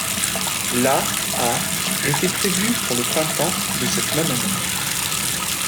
La a été prévue pour le printemps de cette même année.